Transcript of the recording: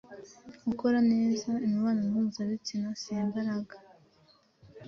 Gukora neza Imibonano mpuzabitsina si imbaraga